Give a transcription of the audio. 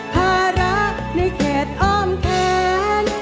ภาระในเขตอ้อมแขน